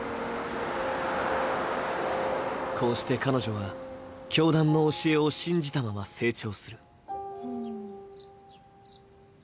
こうして彼女は、教団の教えを信じたまま成長する。